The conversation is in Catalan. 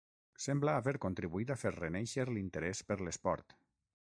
Sembla haver contribuït a fer renéixer l'interès per l'esport.